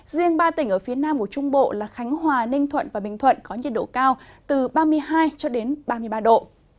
riêng ba tỉnh ở phía nam của trung bộ là khánh hòa ninh thuận và bình thuận có nhiệt độ cao từ ba mươi hai ba mươi ba độ